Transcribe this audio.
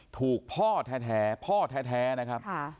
ถูกพ่อแท้นะครับ